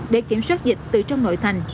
để kiểm soát dịch từ trong nội thành